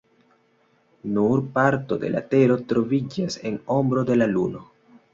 Nur parto de la tero troviĝas en ombro de la luno.